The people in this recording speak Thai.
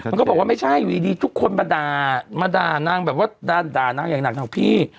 มันก็บอกว่าไม่ใช่อยู่ดีทุกคนมาด่ามาด่านางแบบว่าด่านางอย่างหนักพี่